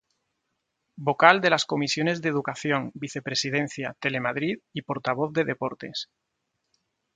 Vocal de las comisiones de Educación, Vicepresidencia, Telemadrid y portavoz de Deportes.